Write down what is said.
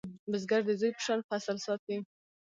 بزګر د زوی په شان فصل ساتي